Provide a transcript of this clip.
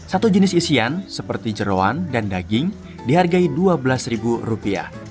satu jenis isian seperti jerawan dan daging dihargai rp dua belas